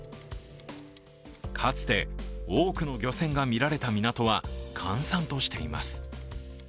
かつて多くの漁船が見られた港は閑散としています。